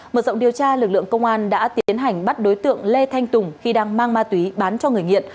mở rộng điều tra lực lượng công an đã tiến hành bắt đối tượng lê thanh tùng khi đang mang ma túy bán cho người nghiện